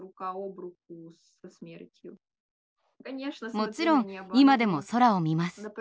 もちろん今でも空を見ます。